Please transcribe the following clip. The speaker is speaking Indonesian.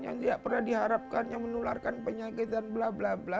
yang tidak pernah diharapkan yang menularkan penyakit dan blablabla